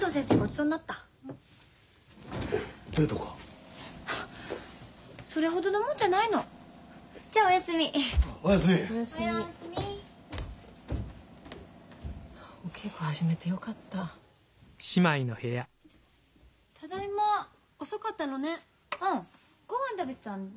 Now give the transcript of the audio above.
うんごはん食べてたんだ。